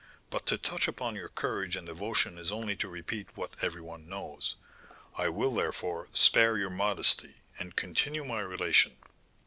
But to touch upon your courage and devotion is only to repeat what every one knows. I will, therefore, spare your modesty, and continue my relation.